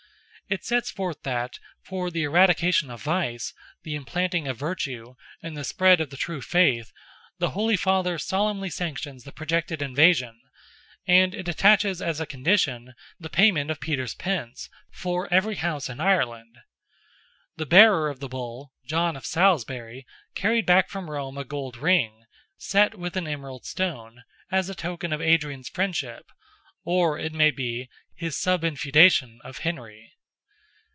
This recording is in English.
It sets forth that for the eradication of vice, the implanting of virtue, and the spread of the true faith, the Holy Father solemnly sanctions the projected invasion; and it attaches as a condition, the payment of Peter's pence, for every house in Ireland. The bearer of the Bull, John of Salisbury, carried back from Rome a gold ring, set with an emerald stone, as a token of Adrian's friendship, or it may be, his subinfeudation of Henry.